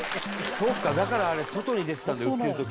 そっかだから外に出てたんだ売ってる時。